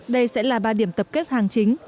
đây sẽ là ba điểm tập kết hàng chính